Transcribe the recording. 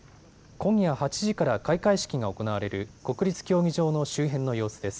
今夜８時から開会式が行われる国立競技場の周辺の様子です。